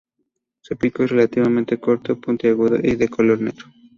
Su pico es relativamente corto, puntiagudo y de color negro.